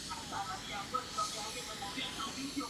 Estuvo en activo hasta su muerte.